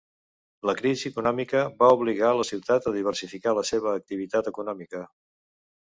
La crisi econòmica va obligar la ciutat a diversificar la seva activitat econòmica.